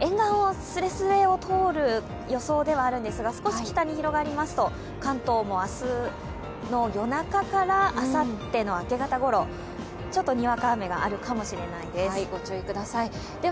沿岸すれすれを通る予想ではありますが少し北に広がりますと、関東も明日の夜中からあさっての明け方ごろ、ちょっとにわか雨があるかもしれないです。